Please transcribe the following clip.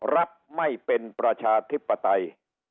รับไม่เป็นประชาธิปไตย